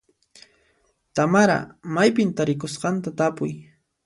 Tamara maypi tarikusqanta tapuy.